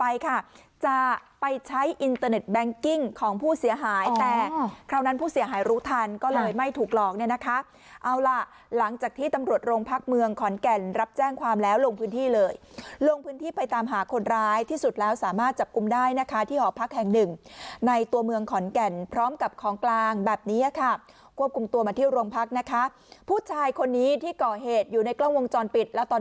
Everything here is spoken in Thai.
อย่างหายรู้ทันก็เลยไม่ถูกหลอกเนี่ยนะคะเอาล่ะหลังจากที่ตำรวจโรงพักเมืองขอนแก่นรับแจ้งความแล้วลงพื้นที่เลยลงพื้นที่ไปตามหาคนร้ายที่สุดแล้วสามารถจับกลุ้มได้นะคะที่หอพักแห่งหนึ่งในตัวเมืองขอนแก่นพร้อมกับของกลางแบบนี้ค่ะควบคุมตัวมาที่โรงพักนะคะผู้ชายคนนี้ที่ก่อเหตุอยู่ในกล้องวงจรป